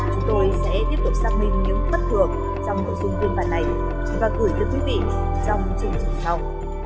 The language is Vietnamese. chúng tôi sẽ tiếp tục xác minh những bất thường trong nội dung phiên bản này và gửi tới quý vị trong chương trình sau